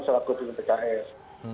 dan pak soebul iman